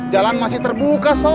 jalan masih terbuka sob